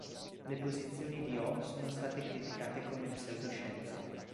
Le posizioni di Ho sono state criticate come pseudoscienza.